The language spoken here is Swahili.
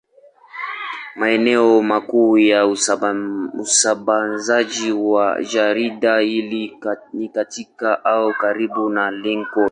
Maeneo makuu ya usambazaji wa jarida hili ni katika au karibu na Lincoln.